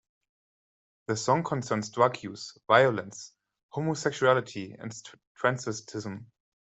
The song concerns drug use, violence, homosexuality and transvestism.